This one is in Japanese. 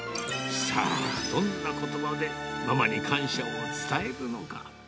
さあ、どんなことばでママに感謝を伝えるのか。